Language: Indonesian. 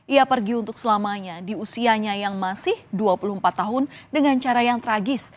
ia pergi untuk selamanya di usianya yang masih dua puluh empat tahun dengan cara yang tragis